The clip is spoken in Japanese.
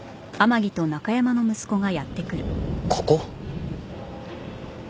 ここ？